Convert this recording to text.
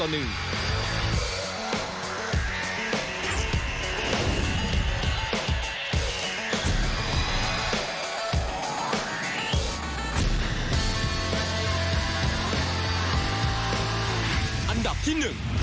อันดับที่๑